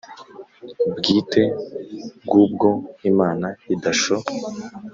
Bw iteka g ubwo imana idasho